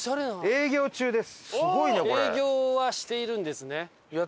営業はしているんですね。